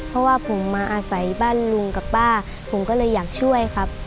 เพราะว่าผมมาอาศัยบ้านลุงกับป้าผมก็เลยอยากช่วยครับ